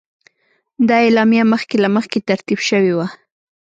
دا اعلامیه مخکې له مخکې ترتیب شوې وه.